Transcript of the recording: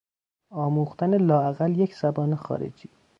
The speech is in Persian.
آموختن لااقل یک زبان خارجی